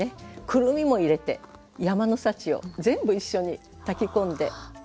くるみも入れて山の幸を全部一緒に炊き込んでみて頂きたいですね。